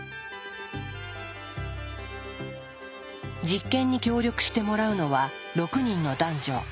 実験に協力してもらうのは６人の男女。